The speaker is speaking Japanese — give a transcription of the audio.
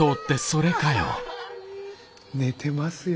寝てますよ。